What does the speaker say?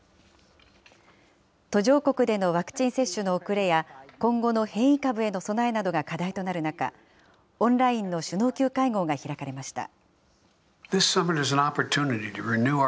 途上国でのワクチン接種の遅れや、今後の変異株への備えなどが課題となる中、オンラインの首脳級会合が開かれました。